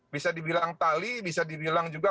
bisa dibilang tali bisa dibilang juga